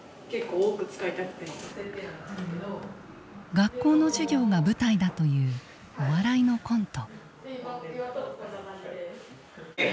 学校の授業が舞台だというお笑いのコント。